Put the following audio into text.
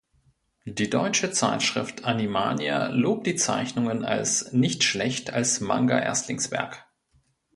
Die deutsche Zeitschrift "Animania" lobt die Zeichnungen als "„nicht schlecht als Manga-Erstlingswerk“".